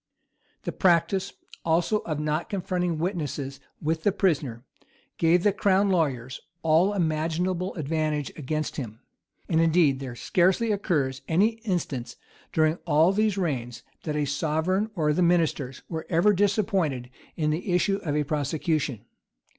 The practice, also, of not confronting witnesses with the prisoner, gave the crown lawyers all imaginable advantage against him. And indeed there scarcely occurs an instance during all these reigns, that the sovereign or the ministers were ever disappointed in the issue of a prosecution.